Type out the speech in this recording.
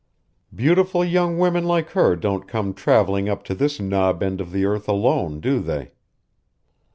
Beautiful young women like her don't come, traveling up to this knob end of the earth alone, do they?"